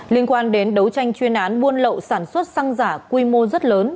liên quan đến đấu tranh chuyên án buôn lậu sản xuất xăng giả quy mô rất lớn